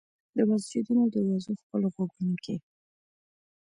د مسجدونو دروازو خپلو غوږونو کې